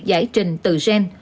giải trình từ gen